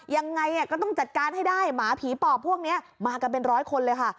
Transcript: ยังไงก็ต้องจัดการให้ได้หมาผีปอบพวกนี้มากันเป็นร้อยคนเลยค่ะ